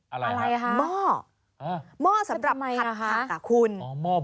อะไรครับม่อสำหรับผัดผักคุณอะไรครับ